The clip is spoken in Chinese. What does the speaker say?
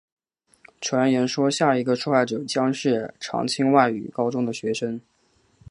传言说下一个受害者将是常青外语高中的学生。